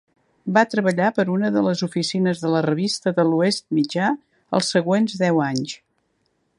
Va treballar per una de les oficines de la revista de l'oest mitjà els següents deu anys.